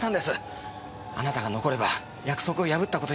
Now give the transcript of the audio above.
あなたが残れば約束を破った事になります。